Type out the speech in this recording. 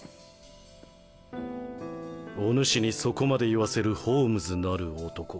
お主にそこまで言わせるホームズなる男